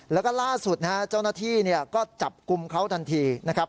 แล้วก็ล่าสุดนะฮะเจ้าหน้าที่ก็จับกลุ่มเขาทันทีนะครับ